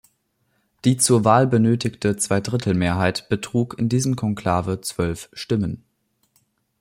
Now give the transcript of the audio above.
Die zur Wahl benötigte Zweidrittelmehrheit betrug in diesem Konklave zwölf Stimmen.